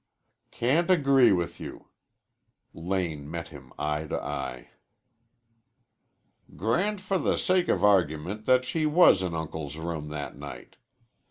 "Can't agree with you." Lane met him eye to eye. "Grant for the sake of argument that she was in Uncle's room that night.